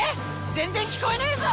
全然聞こえねーぞ